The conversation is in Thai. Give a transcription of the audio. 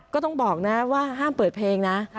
ก็ต้องบอกนะว่าห้ามเปิดเพลงนะ